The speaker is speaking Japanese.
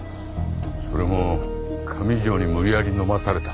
それも上条に無理やり飲まされた？